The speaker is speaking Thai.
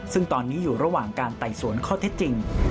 ซึ่งตอนนี้อยู่ระหว่างการไต่สวนข้อเท็จจริง